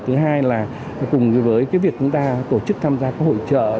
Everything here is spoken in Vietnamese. thứ hai là cùng với cái việc chúng ta tổ chức tham gia các hội trợ